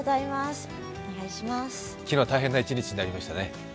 昨日は大変な一日になりましたね。